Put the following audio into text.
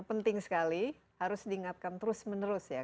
penting sekali harus diingatkan terus menerus ya